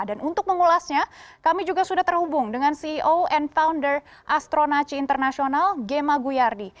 dan untuk mengulasnya kami juga sudah terhubung dengan ceo and founder astronaci internasional gemma guyardi